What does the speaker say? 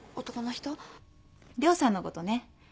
涼さんのことね。